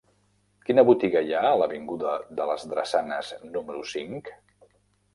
Quina botiga hi ha a l'avinguda de les Drassanes número cinc?